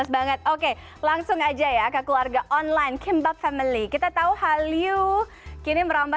banget oke langsung aja ya ke keluarga online kimbak family kita tahu hallyu kini merambah